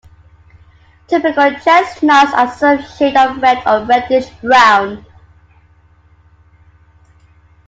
Typical chestnuts are some shade of red or reddish brown.